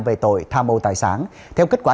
về tội tham mâu tài sản theo kết quả